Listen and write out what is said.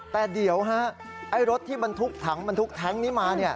แต่เดี๋ยวฮะรถที่บนถุกถังบนถุกแท็งก์นี้มา